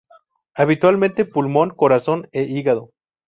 Habitualmente pulmón, corazón e hígado.